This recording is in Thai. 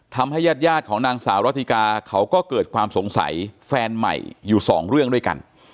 ทำให้ญาติยาติของนางสาวรอธิกาเขาก็เกิดความสงสัยแฟนใหม่อยู่๒เรื่องด้วยกัน